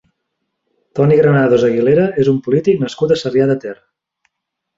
Toni Granados Aguilera és un polític nascut a Sarrià de Ter.